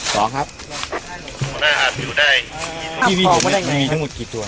สองครับอยู่ได้ที่นี่มันไม่มีทั้งหมดกี่ตัว